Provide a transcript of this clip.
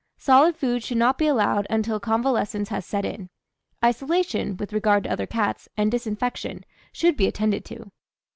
Solid food should not be allowed until convalescence has set in. Isolation, with regard to other cats, and disinfection, should be attended to.